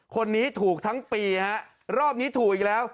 คนนี้ถูกทั้งปีฮะรอบนี้ถูกอีกแล้ว